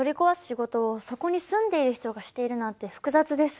仕事をそこに住んでいる人がしているなんて複雑です。